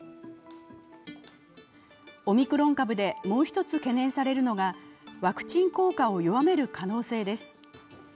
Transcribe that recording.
オミクロン株でもう一つ懸念されるのがワクチン効果を弱める可能性です。